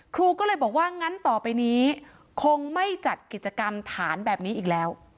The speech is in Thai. ครูก็เลยบอกว่างั้นต่อไปนี้คงไม่จัดกิจกรรมฐานแบบนี้อีกแล้ว